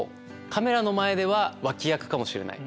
カメラの前では脇役かもしれない。